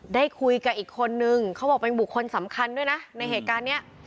ได้คุยกับอีกคนนึงเขาบอกเป็นบุคคลสำคัญด้วยนะในเหตุการณ์นี้